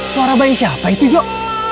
suara bayi siapa itu jok